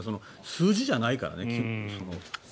数字じゃないからね。